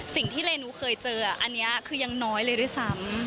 เรนูเคยเจออันนี้คือยังน้อยเลยด้วยซ้ำ